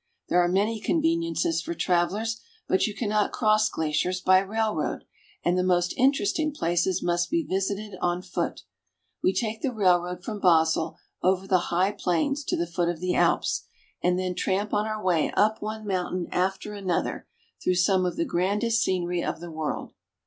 There are many conveniences for travelers ; but you cannot cross glaciers by railroad, and the most interesting places must be visited on foot. We take the railroad from Basel over the high plains to the foot of the Alps, and then tramp on our way up one mountain after another, through some of the grandest scenery of the world.